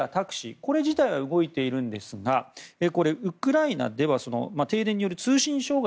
これ自体は動いているんですがウクライナでは停電による通信障害。